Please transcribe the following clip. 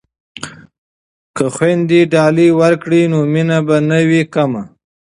که خویندې ډالۍ ورکړي نو مینه به نه وي کمه.